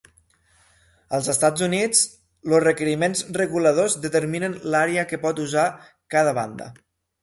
En els Estats Units, els requeriments reguladors determinen l'àrea que pot usar cada banda.